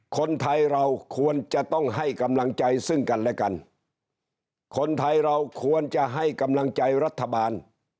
คนไทยเราควรจะต้องให้กำลังใจซึ่งกันและกันคนไทยเราควรจะให้กำลังใจรัฐบาล